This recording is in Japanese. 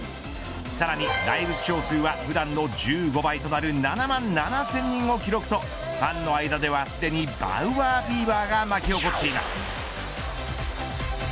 さらにライブ視聴数は普段の１５倍となる７万７０００人を記録とファンの間ではすでにバウアーフィーバーが巻き起こっています。